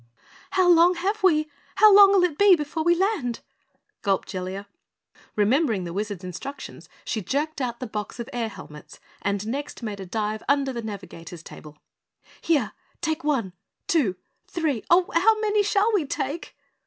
"How long have we? How long'll it be before we land?" gulped Jellia. Remembering the Wizard's instructions, she jerked out the box of air helmets and next made a dive under the navigator's table. "Here, take one two three. Oh, how many shall we take?"